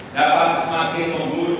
dapat semakin memburuk